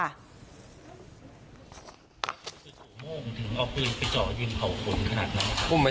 เขาแตกกายเป็นไง